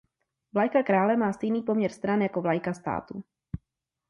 Vlajka krále má stejný poměr stran jako vlajka státu.